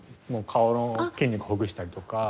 もう顔の筋肉ほぐしたりとか。